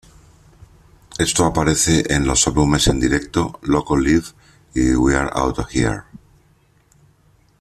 Esto aparece en los álbumes en directo "Loco Live" y "We're Outta Here!